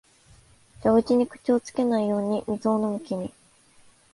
蛇口に口をつけないように水を飲む君、